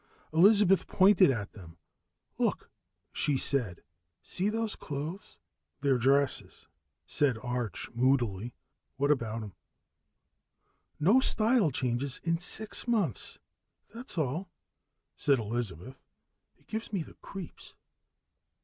Elizabeth pointed at them. "Look," she said. "See those clothes?" "They're dresses," said Arch moodily. "What about them?" "No style change in six months, that's all," said Elizabeth. "It gives me the creeps."